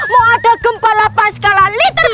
mau ada gempa lapas skala liter